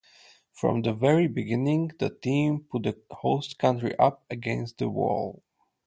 From the very beginning the team put the host country up against the wall.